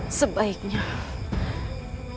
jangan lakukan itu nisanak